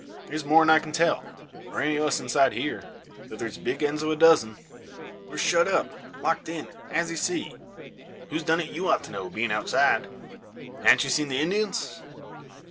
"Mean? That's more'n I can tell; or any o' us inside here; though there's big ends o' a dozen. We're shut up, locked in, as ye see. Who's done it you ought to know, bein' outside. Han't you seen the Indians?"